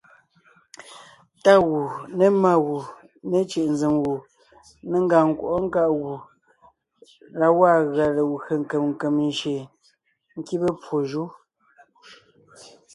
Tá gù, ne má gu, me cʉ̀ʼ nzèm gù, ne ngàŋ nkwɔʼɔ́ nkáʼ gù la gwaa gʉa legwé nkèm nkèm jÿeen nkíbe pwó jú.